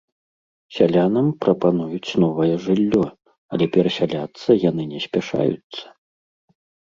Сялянам прапануюць новае жыллё, але перасяляцца яны не спяшаюцца.